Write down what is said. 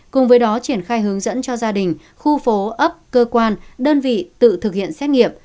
cùng với đó triển khai hướng dẫn cho gia đình khu phố ấp cơ quan đơn vị tự thực hiện xét nghiệm